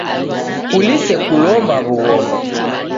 Kulise kulomba w'ughoma.